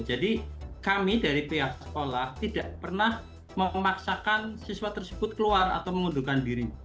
jadi kami dari pihak sekolah tidak pernah memaksakan siswa tersebut keluar atau mengundurkan diri